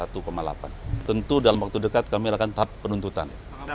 tentu dalam waktu dekat kami akan tahap penuntutan